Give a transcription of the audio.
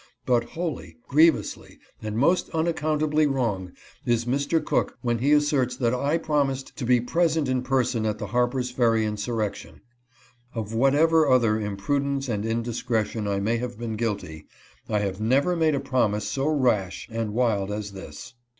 But wholly, grievously, and most unaccountably wrong is Mr. Cook when he asserts that I promised to be present in person at the Harper's Ferry insurrection. Of whatever other imprudence and indiscretion I may have been guilty, I have never made a promise so rash and wild as this.